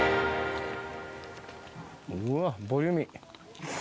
うわボリューミー。